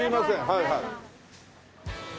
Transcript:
はいはい。